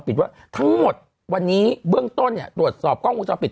ว่าทั้งหมดวันนี้เบื้องต้นเนี่ยตรวจสอบกล้องวงจรปิด